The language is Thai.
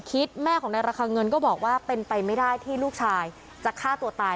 แม่ของนายระคังเงินก็บอกว่าเป็นไปไม่ได้ที่ลูกชายจะฆ่าตัวตาย